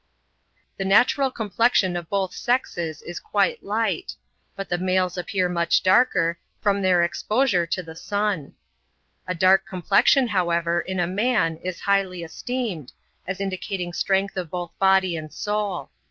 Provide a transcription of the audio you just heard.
The natural complexion of both sexes is quite light; but the males appear much darker, from their exposure to the surf. A dark complexion, however, in a man, is highly esteemed, as Hidicating strength of both body and soul.